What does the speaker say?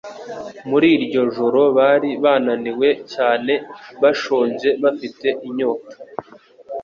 Muri iryo joro bari bananiwe cyane bashonje bafite inyota